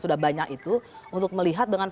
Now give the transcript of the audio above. sudah banyak itu untuk melihat dengan